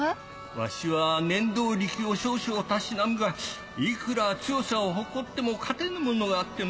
わしは念動力を少々たしなむがいくら強さを誇っても勝てぬものがあってのう。